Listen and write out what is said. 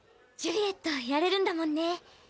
ジュリエットやれるんだもんね！